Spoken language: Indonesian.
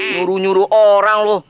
nuru nyuru orang lo